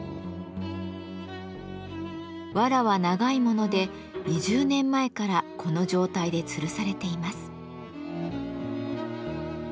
わらは長いもので２０年前からこの状態でつるされています。